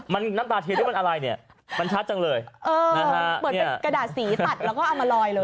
มันน้ำตาเทียนที่มันอะไรเนี่ยมันชัดจังเลยเออเหมือนเป็นกระดาษสีตัดแล้วก็เอามาลอยเลย